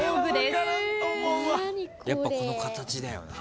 やっぱこの形だよな。